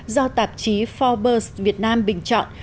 do tạp chí forbes việt nam bình chọn